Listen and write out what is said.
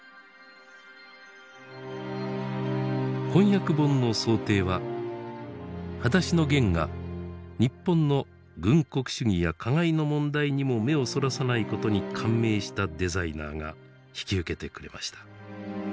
翻訳本の装丁は「はだしのゲン」が日本の軍国主義や加害の問題にも目をそらさないことに感銘したデザイナーが引き受けてくれました。